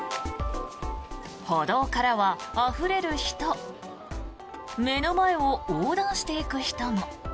歩道からは、あふれる人目の前を横断していく人も。